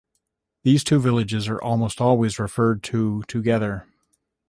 These two villages are almost always referred to together.